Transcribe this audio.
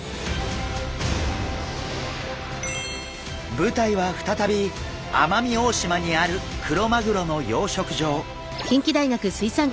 舞台は再び奄美大島にあるクロマグロの養殖場。